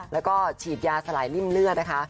แล้วก็ฉีดยาสลายริ่มเลือดนะคะ